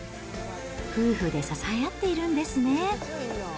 夫婦で支え合っているんですね。